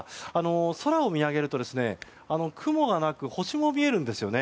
空を見上げると雲がなく星も見えるんですよね。